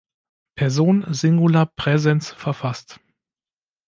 Person, Singular, Präsens verfasst.